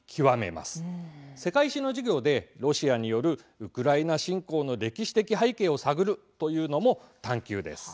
世界史の授業で、ロシアによるウクライナ侵攻の歴史的背景を探るというのも「探究」です。